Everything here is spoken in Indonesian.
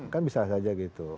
kan bisa saja gitu